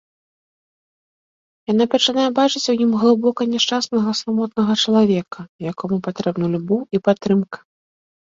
Яна пачынае бачыць у ім глыбока няшчаснага самотнага чалавека, якому патрэбны любоў і падтрымка.